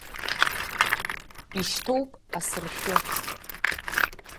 Ишьҭоуп асыршәы.